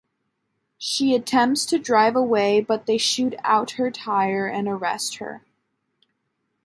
She attempts to drive away but they shoot out her tire and arrest her.